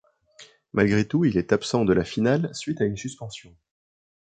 Malgré tout, il est absent de la finale suite à une suspension.